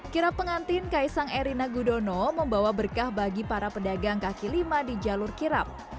kira pengantin kaisang erina gudono membawa berkah bagi para pedagang kaki lima di jalur kirap